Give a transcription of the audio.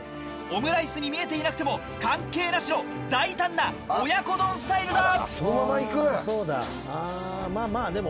オムライスに見えてなくても関係なしの大胆な親子丼スタイルだ！